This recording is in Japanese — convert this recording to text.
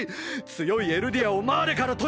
強いエルディアをマーレから取り返し！！